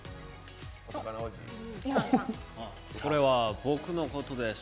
これは僕のことです。